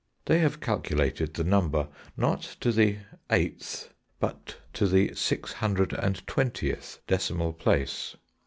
They have calculated the number not to the eighth, but to the six hundred and twentieth decimal place.